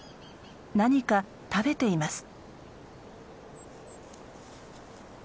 何か食べています。